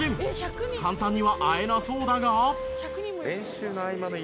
簡単には会えなそうだが。